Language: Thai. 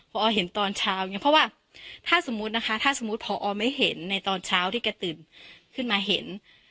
พอเห็นตอนเช้าเนี่ยเพราะว่าถ้าสมมุตินะคะถ้าสมมุติพอไม่เห็นในตอนเช้าที่แกตื่นขึ้นมาเห็น